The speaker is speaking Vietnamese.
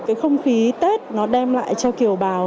cái không khí tết nó đem lại cho kiều bào